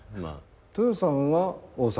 トヨさんは大阪？